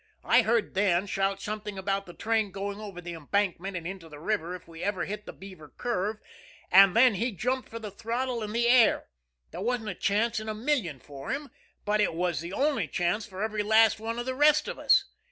I heard Dan shout something about the train going over the embankment and into the river if we ever hit the Beaver curve, and then he jumped for the throttle and the air. There wasn't a chance in a million for him, but it was the only chance for every last one of the rest of us.